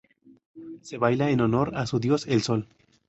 Se baila en honor a su dios, el sol.